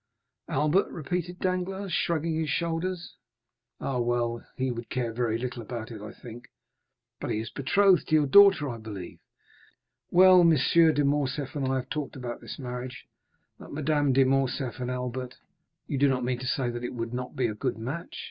"Albert," repeated Danglars, shrugging his shoulders; "ah, well; he would care very little about it, I think." "But he is betrothed to your daughter, I believe?" "Well, M. de Morcerf and I have talked about this marriage, but Madame de Morcerf and Albert——" "You do not mean to say that it would not be a good match?"